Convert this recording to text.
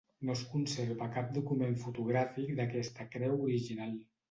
No es conserva cap document fotogràfic d'aquesta creu original.